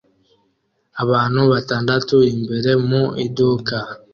Abantu batandatu imbere mu iduka